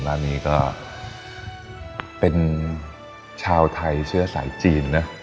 ร้านนี้ก็เป็นชาวไทยเชื้อสายจีนนะ